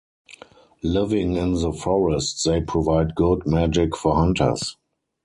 Living in the forest, they provide good magic for hunters.